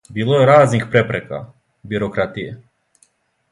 Било је разних препрека, бирократије...